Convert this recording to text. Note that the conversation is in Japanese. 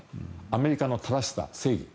アメリカの正しさ、正義。